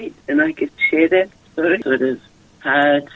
dan saya bisa berbagi hal itu